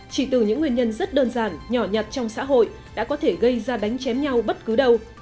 chỉ từ những nguyên nhân rất đơn giản nhỏ nhặt trong xã hội đã có thể gây ra đánh chém nhau bất cứ đâu